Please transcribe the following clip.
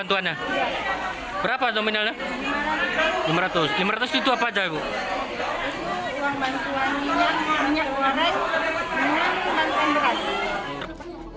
itu uang bantuan minyak minyak goreng minyak bantuan berat